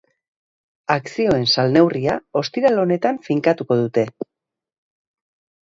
Akzioen salneurria ostiral honetan finkatuko dute.